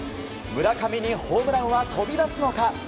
村上にホームランは飛び出すのか。